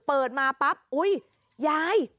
เปิดมาปั๊บอุ๊ยยาย